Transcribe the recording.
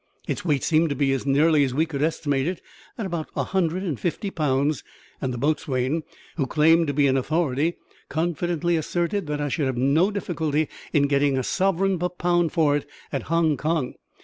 Its weight seemed to be, as nearly as we could estimate it, about one hundred and fifty pounds; and the boatswain who claimed to be an authority confidently asserted that I should have no difficulty in getting a sovereign per pound for it at Hong Kong.